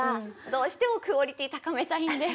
どうしてもクオリティー高めたいんで。